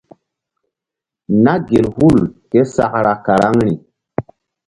Na gel hul késakra karaŋri.